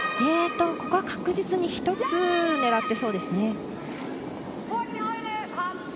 ここは確実に、一つ狙っていそうですね。